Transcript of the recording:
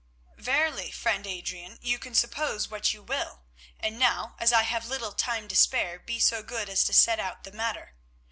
"Verily, friend Adrian, you can suppose what you will; and now, as I have little time to spare, be so good as to set out the matter.